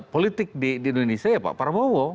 politik di indonesia ya pak prabowo